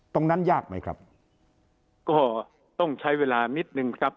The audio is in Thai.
ยากไหมครับก็ต้องใช้เวลานิดนึงครับ